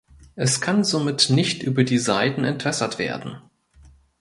Es kann somit nicht über die Seiten entwässert werden.